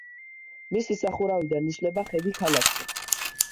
მისი სახურავიდან იშლება ხედი ქალაქზე.